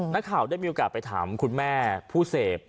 นักข่าวได้มีโอกาสไปถามคุณแม่ผู้เสพ